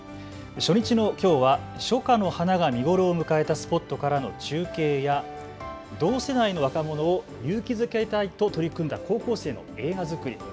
初日のきょうは初夏の花が見頃を迎えたスポットからの中継や同世代の若者を勇気づけたいと取り組んだ高校生の映画作り。